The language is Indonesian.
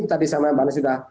tadi sama yang bannya sudah